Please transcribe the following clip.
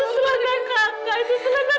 itu selain kakak itu selain kakak buat kamu mira